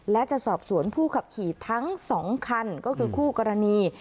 และจะสอบสวนผู้ขับขี่ทั้ง๒คันก็คือคู่กรณี